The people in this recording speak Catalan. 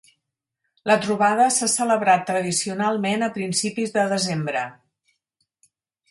La trobada s'ha celebrat tradicionalment a principis de desembre.